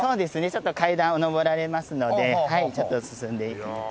ちょっと階段を上られますのでちょっと進んで。